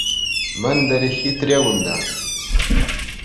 Мӗн тери хитре кунта!